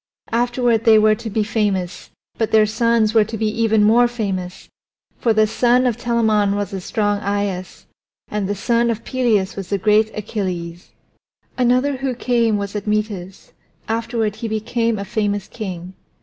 Afterward they were to be famous, but their sons were to be even more famous, for the son of Telamon was strong Aias, and the son of Peleus was great Achilles. Another who came was Admetus; afterward he became a famous king.